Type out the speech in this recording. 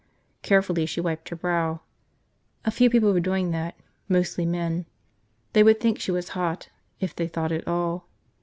Carefully she wiped her brow. A few people were doing that, mostly men. They would think she was hot, if they thought at all.